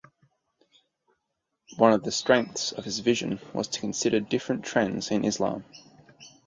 One of the strengths of his vision was to consider different trends in Islam.